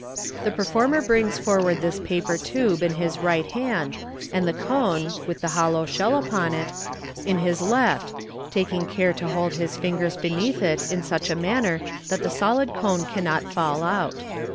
The performer brings forward this paper tube in his right hand, and the cone (with the hollow J95 shell upon it) in his left, taking care to hold his fingers beneath it in such manner that the solid cone cannot fall out.